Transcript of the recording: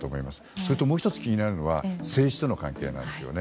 それともう１つ気になるのは政治との関係なんですね。